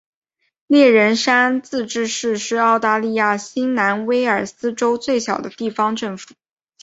猎人山自治市是澳大利亚新南威尔斯州最小的地方政府。